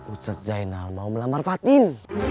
ustadz zainal mau melamar fatin